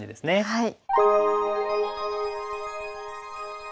はい。